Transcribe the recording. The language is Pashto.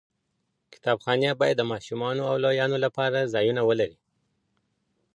کتابخانې باید د ماشومانو او لویانو لپاره ځایونه ولري.